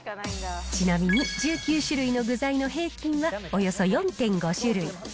ちなみに１９種類の具材の平均はおよそ４．５種類。